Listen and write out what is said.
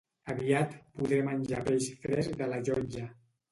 Aviat podré menjar peix fresc de la llotja